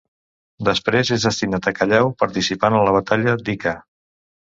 Després és destinat a Callao, participant en la batalla d'Ica.